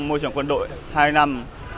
môi trường quân đội hai năm